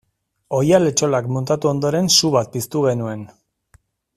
Oihal-etxolak muntatu ondoren su bat piztu genuen.